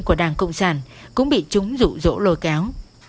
của đảng cộng sản cũng bị chúng rụ rỗ lôi kéo